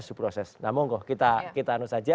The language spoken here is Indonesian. suproses namun kita anu saja